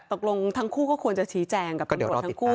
ตกลงทั้งคู่ก็ควรจะชี้แจงกับตำรวจทั้งคู่